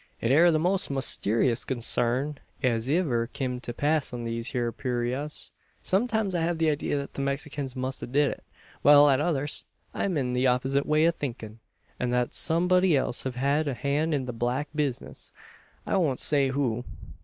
It air the most musteeriousest consarn as iver kim to pass on these hyur purayras. Sometimes I hev the idea that the Mexikins must a did it; while at others, I'm in the opposite way o' thinkin', an thet some'dy else hev hed a han' in the black bizness. I won't say who."